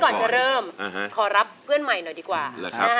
ก่อนจะเริ่มขอรับเพื่อนใหม่หน่อยดีกว่า